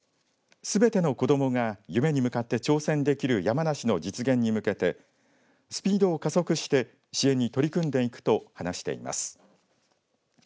県子ども福祉課はすべての子どもが夢に向かって挑戦できる山梨の実現に向けてスピードを加速して支援に取り組んでいくと話しています。